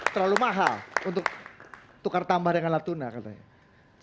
terlalu mahal untuk tukar tambah dengan natuna katanya